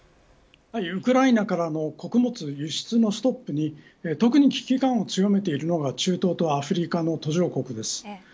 ウクライナからの穀物輸出のストップに特に危機感を強めているのが中東とアフリカの途上国です。